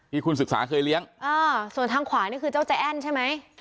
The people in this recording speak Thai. ที่คุณศึกษาเคยเลี้ยงส่วนทางขวานี่คือเจ้าใจแอ้นใช่ไหม